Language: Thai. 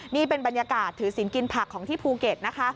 นี่เป็นบรรยากาศถือศิลปกินผักของที่ภูเก็ตนะคะ